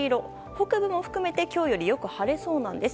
北部も含めて今日よりよく晴れそうなんです。